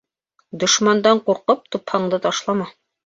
Дошмандан ҡурҡып, тупһаңды ташлама.